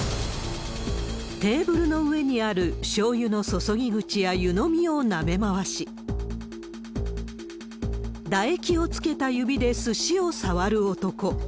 テーブルの上にあるしょうゆの注ぎ口や湯飲みをなめ回し、唾液をつけた指ですしを触る男。